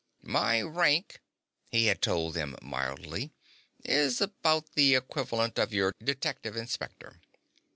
"My rank," he had told them mildly, "is about the equivalent of your Detective Inspector."